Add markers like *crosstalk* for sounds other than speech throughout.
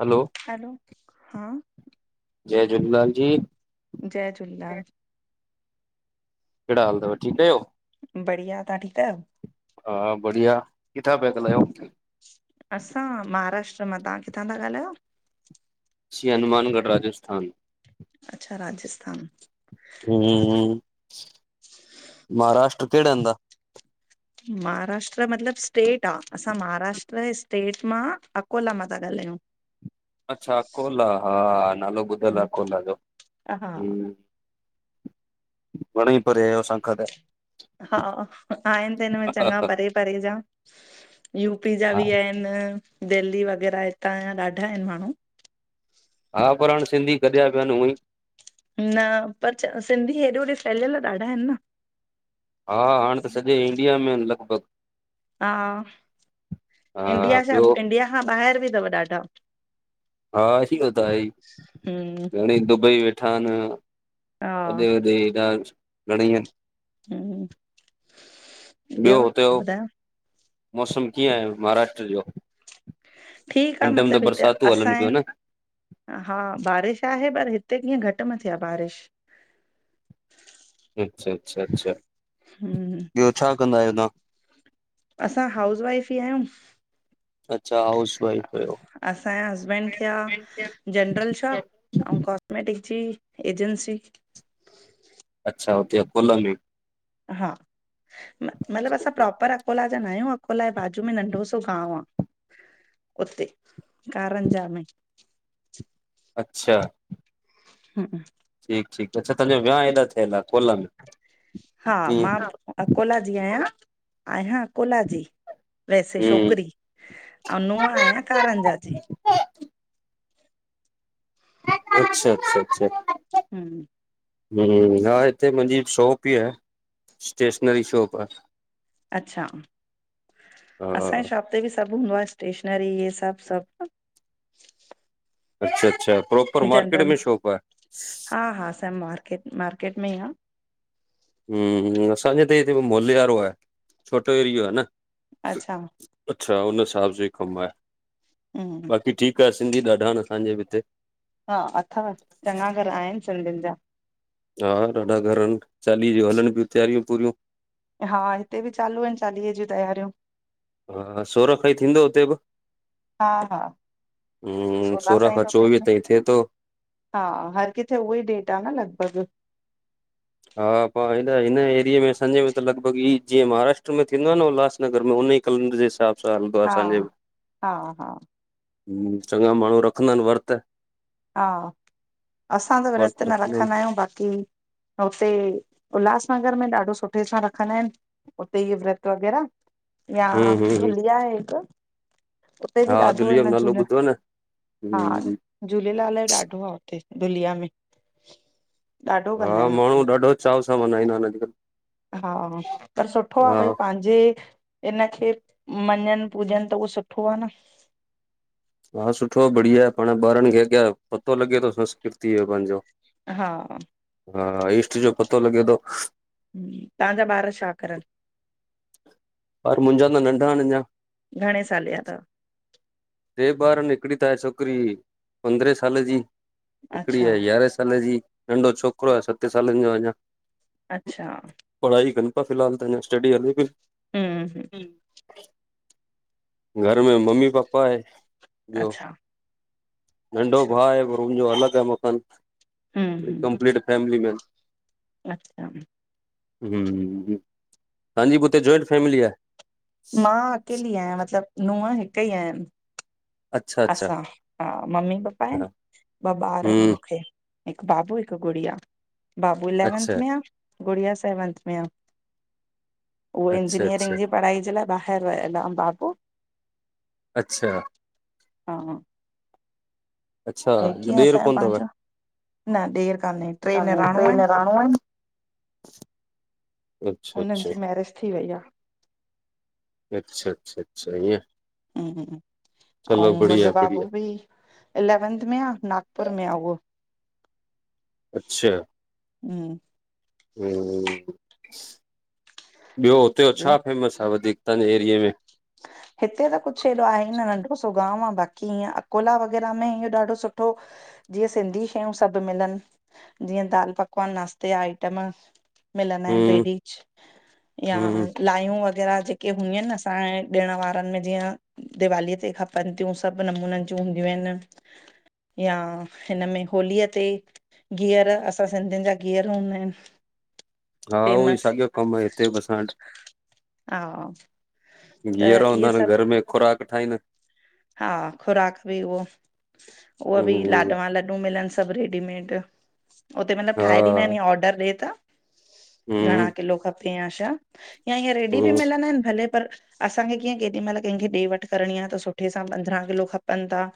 हलो hello हा जय झूलेलाल जी जय झूलेलाल केड़ा हाल थव, ठीकु आहियो? बढ़िया, तां ठीकु आयो? हा बढ़िया, किथां प्या ॻालायो? असां महाराष्ट्र मां, तहां किथां था ॻाल्हायो? श्री हनुमानगढ़, राजस्थान अच्छा राजस्थान हम्म, महाराष्ट्र केड़े हंद आ? महाराष्ट्र मतिलबु स्टेट आ। असां महाराष्ट्र स्टेट मां अकोला मां था ॻाल्हायूं। अच्छा अकोला, हा नालो ॿुधल आ हम्म, अकोला जो। हा घणी ई परे आयो असांखा त। हा आहिन त हिन में चंॻा परे- परे जा, यूपी जा बि आहिन। दिल्ली वग़ैरह हितां जा ॾाढा आहिन माण्हू। हा, पर हाणे सिंधी गढिया पिया आहिन हुअ ई न पर सिंधी हेॾे होॾे फैलियल ॾाढा आहिन न हा हाणे त सॼे इंडिया में लॻभॻ हा हा इंडिया सां ॿियो इंडिया खां ॿाहिर बि अथव ॾाढा। हा अॼुकल्ह त आहे ही हम्म घणेई दुबई वेठा आहिन। हा हेॾे होॾे घणेई आहिन। *inaudible* ॿियो हुते हो तव्हां ॿुधायो मौसम कीअं आहे महाराष्ट्र जो? ठीकु आ हिन टाइम त मतिलबु हिते बरसातूं हलनि पियूं असांजे न? हा बारिश आहे पर हिते कीअं घटि मथे आहे बारिश। अच्छा -अच्छा -अच्छा। हूं। ॿियो छा कंदा आहियो ताहां? असां हाउस वाइफ ई आहियूं। अच्छा हाउस वाइफ आयो। असांजे हसबैंड खे आ जनरल शॉप अऊं मै ट जी एजंसी अच्छा हुते अकोला में। हा मतिलबु असां प्रोपर अकोला जा न आहियूं। अकोलाए बाजू में नंढो सो गांव आहे उते कारंजा में। अच्छा। हूं। ठीकु ठीकु अच्छा ताहांजो वियाउ हेॾा थियल आ अकोला में? हा ईअं मां अकोला जी आहियां आहियां अकोला जी। वैसे छोकरी अऊं नूअ आया काराअंजाजी। अच्छा -अच्छा -अच्छा। हूं। हूं हा हिते मुंहिंजी शॉप ई आ। स्टेशनरी शॉप आ। अच्छा हा असांजे शॉप ते बि सभु हूंदो आ स्टेशनरी इहे सभु सभु। अच्छा अच्छा प्रो जनरल हा- हा स मार्किट मार्किट में ई आ। हूं असांजे हि त हित मोले वारो आहे छोटो एरिओ आहे न। अच्छा। अच्छा हुन हिसाब सां ई कमु आहे हम्म बाक़ी ठीकु आहे सिंधी ॾाढा आहिन असांजे बि हिते। हा अथव चंगा घर आहिन सिंधियुनि जा। हा ॾाढा घर आहिन चालीहे जूं हलनि पियूं तयारियूं पूरियूं। हा हिते बि चालू आहिन चालीहे जूं तयारियूं। हा सोर खां ई थींदो हुते बि? हा हा हूं सोलह सोरह साईं खां थो थिए चोवीह न ताई थिए थो। हा हर किथे उहोई डेट आ न लॻभॻ। हा पर हिन हिन एरिए में संझे में त लॻभॻि ई जीअं महाराष्ट्र में थींदो आहे न उल्हासनगर में हुन ई कैलेंडर्स जे ससा हलंदो आहे हा असांजे हा हा चंग माण्हू रखंदा आहिन वर्त‌। हा असां त विर्त वर्त न आहिनि रखंदा आहियूं बाक़ी हुते, उल्हासनगर में ॾाढो सुठे सां रखंदा एन। उते ई व्रत वग़ैरा, या हम्म हम्म हम्म धुलिया आहे हिक उते बि हा ॾाढो दुलिया जो हिन नालो झूलण, ॿुधो आहे न हा हम्म झूलेलाल जो ॾाढो आ, हुते धुलिया में। ॾाढो कंदा हा, आहिनि हुते माण्हूं ॾाढ़ो चाव सां मनाईंदा अन अॼकल्ह। हा, पर सुठो आ, पई पांजे जे, इनखे मञन पूजन त उहो सुठो आ न। हा, सुठो आ, बढ़िया आ, पाण ॿारन खे अॻयां पतो लॻे तो संस्कृतिअ जो पांजो। हा हा, ईष्ट जो पतो लॻे तो। तहांजा ॿार छा करन? ॿार मुंजा त नंढ़ान अञा। घणे साले जा तव? ट्रे ॿार इन, हिकड़ी त आहे छोकरी, पंद्रहें साले जी। हिकड़ी अच्छा आहे यारहें साले जी, नंढ़ो छोकरो आहे सते सालन जो आहे अञा। अच्छा पढ़ाई कन पा, फिलहाल त अञा स्टडी हले पी। हम्म हम्म घर में मम्मी पापा आहे, ॿयो। अच्छा नंढ़ो अच्छा भा आहे, पर मुंजो अलॻ आहे मकान, हम्म हम्म कंपलीट फैमली मैन। अच्छा अच्छा हूं हूं, तहांजी बि हुते जॉइंट फैमली आहे? मां अकेली आयां, मतिलब नूंहं हिकई आयांन। अच्छा अच्छा असां, हा, मम्मी पपा हा एन, ॿ ॿार एन हम्म मूंखे। हिक बाबू, हिक गुड़िया, बाबू अच्छा इलेवन्थ में आ, गुड़िया सेवंथ में आ। उहो अच्छा अच्छा इंजीनियरिंग जी पढ़ाईअ जे लाइ, ॿाहिर वयल आ, बाबू! अच्छा हां हा अच्छा ए कीअं ॾेर असांजो कोन अथव पांजो न ॾेर कान्हें, ट्रे असांमें निराणू एन। *inaudible* उन्हन अच्छा जी मेरिज थी वई आ। अच्छा अच्छा अच्छा, इअं। अऊं, बढ़िया मुंजो बढ़िया बाबू बी। इलेवेंथ में आ, नागपुर में आ उहो। अच्छा, हम्म हूं ॿयो हुते जो ॿियो छा फेमस आ वधीक, तांजे एरिए में? हिते त कुछ एॾो आहे ई न, नंढ़ड़ो सो गांव आ, बाक़ी ईअं अकोला वग़ैरह में इहो ॾाढो सुठो जीअं सिंधी शयूं सभ मिलन, जीअं दाल पकवान नास्ते जा आइटम। मिलंदा एन हम्म ट्रेडीज़, या हम्म लायूं वग़ैरा जेके हूंदयूं एन न असांजे ॾिण वारन में जीअं दिवालीअ ते खपन त्यूं, सभु नमूनन जूं हूंदयूं एन। यां, हिनमें होलीअ ते। घीअर असां सिंधियुन जा घीअर हूंदा एन। हा, उहोई साॻयो कम आ, हिते बि असां वट। हा त घीअर हूंदा इहे अन, सभु घर में खुराक ठाईन। हा, खुराक बि उहो, उहो बि हम्म लाॾवां लॾूं मिलन। सभ रेडीमेट, उते मतलब हा ठाहे ॾींदा एन, या ऑर्डर ॾे त। घणा हम्म किलो खपे यां छा यां ईअं रेडी बि हम्म मिलंदा आहिनि भले पर असांखे कीअं केॾी महिल कंहिंखे ॾे वठि करणी आ त सुठे सां पंद्रहं किलो खपनि था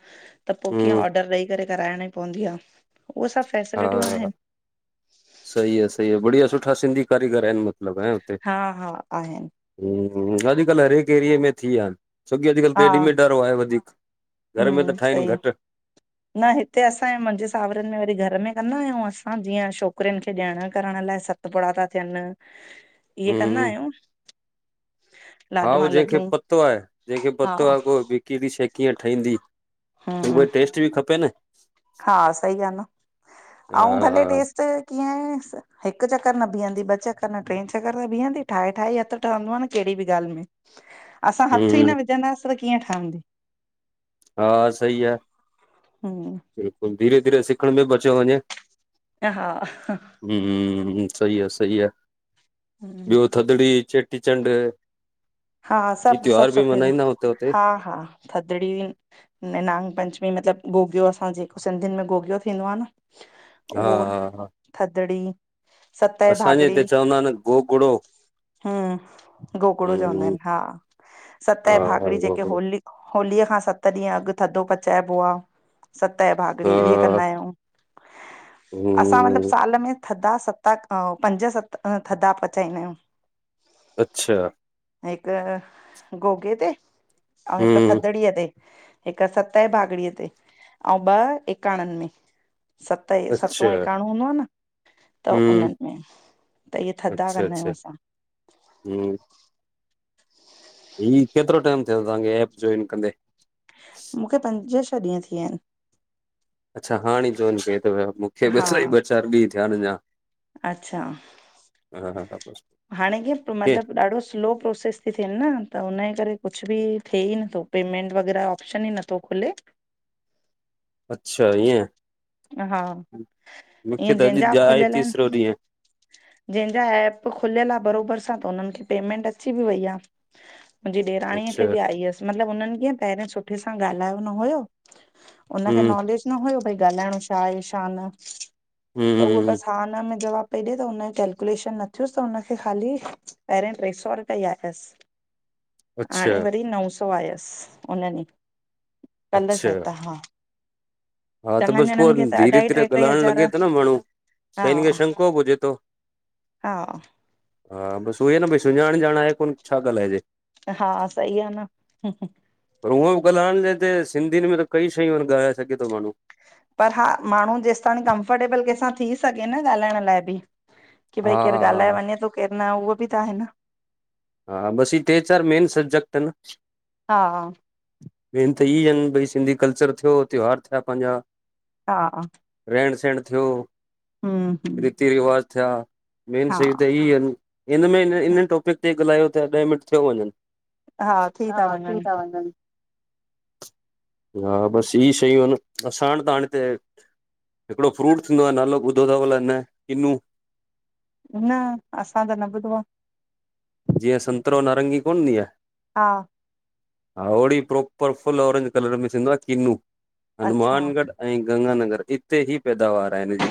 त पो कीअं हम्म ऑडर ॾेई करे कराइणी पवंदी आ उहो सभु फैसिलिटियूं हा आहिनि। सही आ, सही आ, बढ़िया सुठा सिंधी कारीगर आहिनि म हा हा आहिनि, हूं हूं अॼुकल्ह हर हिकु एरिए में थी विया आहिनि छोकी अॼुकल्ह पेडी मेंड वारो आहे वधीक घर में त हूं ठाहिनि सही आ *inaudible* न हिते असांजे मुंहिंजे साावरनि में वरी घर में कंदा आहियूं असां जीअं छोकिरियुनि खे ॾियण करण लाइ स तपुड़ा था थियन *inaudible* इहे कंदा हम्म आहियूं हा उहो लाॾवा जंहिंखे लॾूं पतो आहे, जंहिंखे हा पतो आहे को बि की भी शइ कीअं ठहींदी छो हम्म भई टेस्ट बि खपे न हा सही ॻाल्ह आ, अंऊँ भले हा टेस्ट कीअं हिकु चक्कर न बीहंदी ॿ चक्कर न ट्रें चक्कर में बीहंदी। ठाहे ठाहे ई हथ त हूंदो आ न कहिड़ी बि ॻाल्हि में, असां हथ ई हम्म, न विझंदासीं त कीअं ठहंदी हा सही आ हम्म बिल्कुलु धीरे-धीरे सिखण में बि अचियो वञे एं हा अहं हूं सही आ, सही आ, हम्म ॿियो थदड़ी, चेटीचंड हा ही सभु, सभु त्योहार बि सुठे सां मनाईंदा हुते हुते? हा, हा थधड़ि बिं नि नांगपंचमी मतलबु गोगियो असां जेको सिंधियुनि में गोगियो थींदो आ न हा उऔर हा हा, थधड़ी सतंए असांजे भागड़ी, हिते चवंदा आहिनि गोगड़ो, हूं गोगड़ो चवंदा हम्म आहिनि हा, हा सतंए हा भागड़ी जेके गोगड़ो। होली होलीअ खां सत ॾींहं अॻु थधो पचाइबो आ सतंए भागड़ी ईहे हा, कंदा आहियूं असां मतलब हम्म, साल में थधा सता अंऊ पंज-सत थधा पचाईंदा आहियूं अच्छा एं हिकु गोगे ते अंऊँ हिकु हम्म, थधड़ीअ ते हिक सतंए भागड़ीअ ते, अंऊ ॿ एकाणनि में सतए सतों अच्छा, एकाणो हूंदो आ न त हम्म, उन्हनि में त इहे थधा कंदा आहियूं असां हूं ही केतिरो टाइम थियो तव्हांखे एप जॉइन कंदे मूंखे पंज छह ॾींहं थी विया आहिनि अच्छा हाणे ई जोइन कई थव, मूखे ॿ हा सइ ॿ चार ॾींह थया आहीन अञा अच्छा हा हा, बसि। हाणे किंअ हे, मतलब ॾाढो स्लो प्रोसेस थी थिएन न त हुनए करे कुझ बि थिए ई नथो पेमेंट वगैरह ऑप्शन ई नथो खुले अच्छा ईंअ, हा मूखे ईअं त अॼु जंहिंजा दयाय तीसरो ॾींह जेंहजा ऐप खुलयल आ बरोबर सां त हुनन खे पेमेंट अची बि वई आ मुहिंजी ॾेराणीअ अच्छा खे बि आई हुयस मतलबु उन्हन किंअं पहिरियोे सुठे सा गाल्हायो न हुयो उनखे हम्म नॉलेज न हुयो भई ॻाल्हाइणो छा आहे, छा न, त उहो हम्म बस हा न में जवाब पई ॾिए त हुन कैेलकुलेशन न थियुस त हुनखे ख़ाली पहिरिएं ट्रे सौ रुपया ई आयस *inaudible* अच्छा हाणे वरी नव सौ आयस उन ॾी कल अच्छा शायद त हा। हा त बस चङनि पो ॼणनि खे त धीर अढाई धीरे टे टे ॻाल्हाइण हज़ार लॻे तो न माण्हू हा त हिन खे शको बि हुजे तो। हा हा बस उवई न भाई सुनाण ॼाण आहे कोन छा ॻालाजे। हा सही आ न *unintelligible* पर हूअं बि ॻालाएण जे हिते सिंधियुन में त कई शयू ॻालाए सघे थो माण्हू। पर हा माण्हू जेस ताणी कंफरर्टेबल के सा थी सघे न ॻाल्हाइण लाए बि। की भई हा केर ॻाल्हाए हा वञे थो केर न उहो बि त आहे न। हा बस इ टे चार मेन सब्जेक्ट अन। हा मेन त इहे आहिन भई सिधी कल्चर थियो त्योहार थिया पहिजा। हा रेण सेण थियो हम्म हम्म रीति रिवाज थिया मेन हा शयू त इहे आहिन। हिन मे हिन इ टॉपिक ते ॻल्हायो ता ॾह मिन्ट थियो वञन। हा थी ता वञन। हा बस इहे शयू आहिन असा ताण ते। हिकड़ो फ्रूट थिंदो आ नालो ॿुधो तव अलाय न किनु? न असा त न ॿुधो आ। जीअ सन्तरो नारंगी कोन हुदी आ। हा हा होड़ी प्रोपर फुल ऑरेज कलर में थिंदो आहे कीनू अच्छा हनुमानगढ़ अई गंगानगर ईते जी पैदावार आहे हिनजी।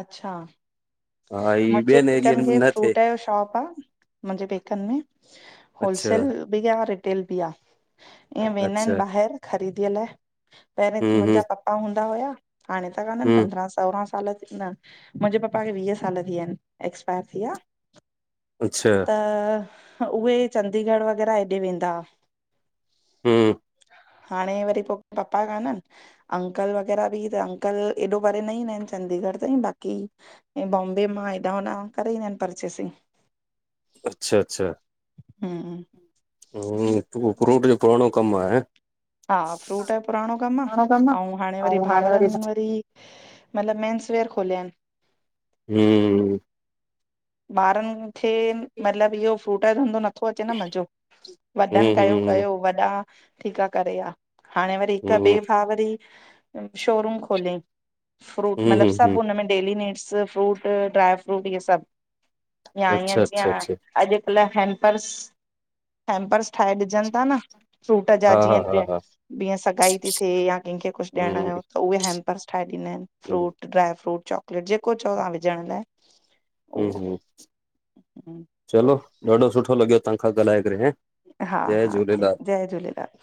अच्छा हा ही मुंहिजे ॿियनि पेकन एरियनि खे में न थिए फ्रूट यो शॉप आ मुहिजें पेकन में। अच्छा पिरिया अई रिटेल बि आ। ईअ वेदा अच्छा आहिन ॿाहिर ख़रीदीअ लाए पहरे हूं हूं मुहिजा पप हूंदा हुया हाणे त कान्हन हूं पद्रह सोलह साल न मुहिजे पप्पा खे वीय साल थी वया आहिन एक्सपायर थी वया। अच्छा त उहे चडीगढ़ वग़ैरह हेॾे वेदा हा। हम्म हाणे वरी पो पपा कान अन। अंकल वग़ैरा बि त अंकल एॾो परे न ईंदा आहिन चंडीगढ़ ताईं बाक़ी ऐं बॉम्बे मां हेॾा होॾा करे ईनदा आहिन परचेसिंग। अच्छा अच्छा हम्म फ्रूट यो पुराणो कम आहे? हा फ्रूट यो पुराणो कम आ अऊ हाणे वरी भाावरन वरी मतलब मेंनस वेयर खोलया आहिन? हम्म ॿारन खे मतलब इहो फ्रूट जो धंधो न नथो अचे न मज़ो वॾन हूं कयो हूं कयो वॾा ठीक आ करे व्या। हाणे वरी हिक ॿे हूं भा वरी शोरूम खोलियई। फ्रूट हूं मतलब हूं सभ हूं हुन में daily needs fruit dry fruit इहे सभ। या अच्छा ईअं अच्छा जीअं अच्छा अॼकल्ह ह हेम्पर्स हैम्पर्स ठाहे ॾिजन ता न। फ्रूट जा हा हा जीअं, हा हा जीअं सगाई थी थिए या कंहिंखे कुझु ॾियणु हूं हुयूं। त उहे हैम्पर्स ठाहे ॾींदा आहिनि हूं फ्रूट, ड्राइ फ्रूट, चॉकलेट जेको चओ तव्हां विझणु लाइ। हूं, उहो हूं चलो ॾाढो सुठो लॻे तव्हांखां ॻाल्हाए करे हे। हा-हा ठीकु। जय झूलेलाल।